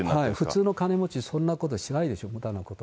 普通の金持ち、そんなことしないでしょ、ほかのこと。